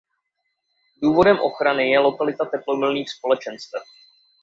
Důvodem ochrany je lokalita teplomilných společenstev.